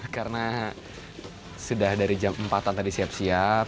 karena sudah dari jam empat an tadi siap siap